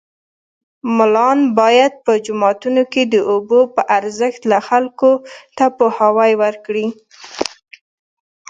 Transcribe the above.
ملان باید په جوماتو کې د اوبو په ارزښت خلکو ته پوهاوی ورکړي